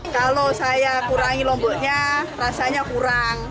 kalau saya kurangi lomboknya rasanya kurang